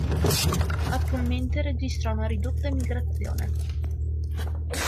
Attualmente registra una ridotti emigrazione.